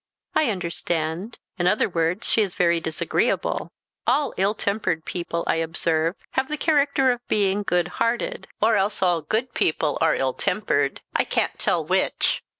"I understand, in other words, she is very disagreeable. All ill tempered people, I observe, have the character of being good hearted; or else all good people are ill tempered, I can't tell which."